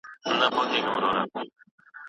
د حیرت د اورکدې هغه دود ته وې